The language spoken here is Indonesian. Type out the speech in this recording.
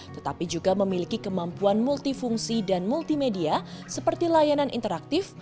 tetapi juga memiliki kemampuan multifungsi dan multimedia seperti layanan interaktif